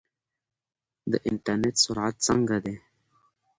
د انټرنیټ سرعت څنګه دی؟